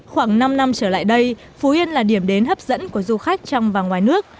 khoảng năm năm trở lại đây phú yên là điểm đến hấp dẫn của du khách trong và ngoài nước